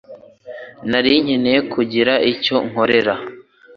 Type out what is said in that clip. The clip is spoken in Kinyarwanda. Nari nkeneye kugira icyo nkorera